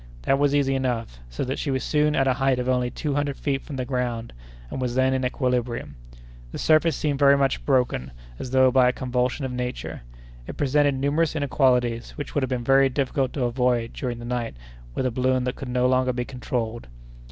That was easy enough, so that she was soon at a height of only two hundred feet from the ground, and was then in equilibrium. The surface seemed very much broken as though by a convulsion of nature. It presented numerous inequalities, which would have been very difficult to avoid during the night with a balloon that could no longer be controlled.